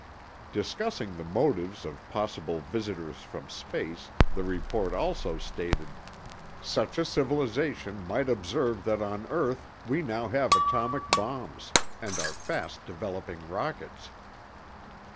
Discussing the motives of possible visitors from space, the report also stated: "Such a civilization might observe that on Earth we now have atomic bombs and are fast developing rockets.